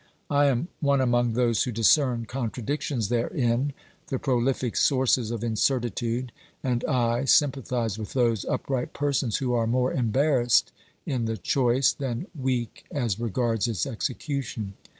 I am one among those who discern contradic tions therein, the prolific sources of incertitude and I sym pathise with those upright persons who are more embarrassed in the choice than weak as regards its execution.